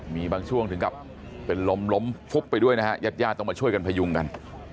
มีบางช่วงถึงกับเป็นลมล้มฟุบไปด้วยนะฮะญาติญาติต้องมาช่วยกันพยุงกัน